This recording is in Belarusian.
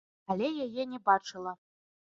Але яе не бачыла.